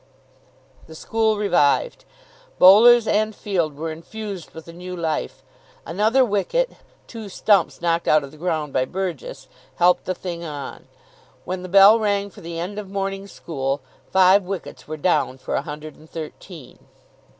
The school revived. Bowlers and field were infused with a new life. Another wicket two stumps knocked out of the ground by Burgess helped the thing on. When the bell rang for the end of morning school, five wickets were down for a hundred and thirteen.